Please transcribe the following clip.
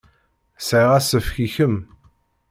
Sɛiɣ asefk i kemm.